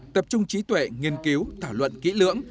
tập trung trí tuệ nghiên cứu thảo luận kỹ lưỡng